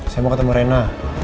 saya mau ketemu reina